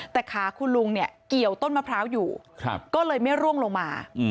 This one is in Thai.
แต่ขาคุณลุงเนี่ยเกี่ยวต้นมะพร้าวอยู่ก็เลยไม่ร่วงลงมา